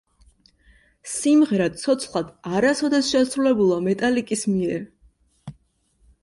სიმღერა ცოცხლად არასოდეს შესრულებულა მეტალიკის მიერ.